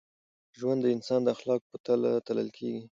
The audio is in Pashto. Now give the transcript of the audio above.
ژوند د انسان د اخلاقو په تله تلل کېږي.